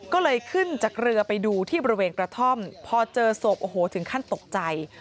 ก็เลยขึ้นจากเรือไปดูที่บริเวณกระท่อมพอเจอศพโอ้โหถึงขั้นตกใจ